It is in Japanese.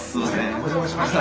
お邪魔しました。